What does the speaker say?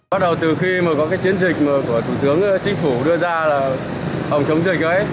bắt đầu từ khi mà có cái chiến dịch của thủ tướng chính phủ đưa ra là hòng chống dịch ấy